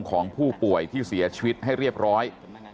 ของผู้ป่วยที่เสียชีวิตให้เรียบร้อย